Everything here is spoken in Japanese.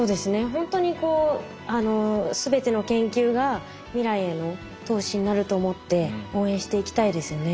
ほんとに全ての研究が未来への投資になると思って応援していきたいですよね。